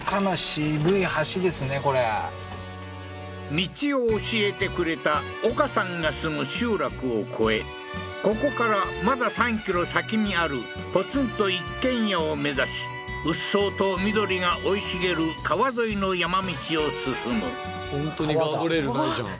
道を教えてくれた岡さんが住む集落を越えここからまだ３ｋｍ先にあるポツンと一軒家を目指しうっそうと緑が生い茂る川沿いの山道を進む本当にガードレールないじゃん